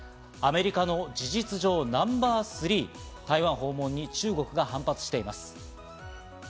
アメリカの事実上、ナンバー３が台湾訪問に中国が反発しています。